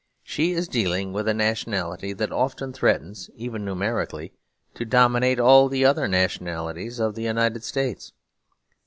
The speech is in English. She is dealing with a nationality that often threatens, even numerically, to dominate all the other nationalities of the United States.